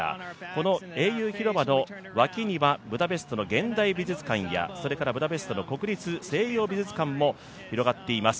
この英雄広場の脇にはブダペストの現代美術館やブダペストの国立西洋美術館も広がっています。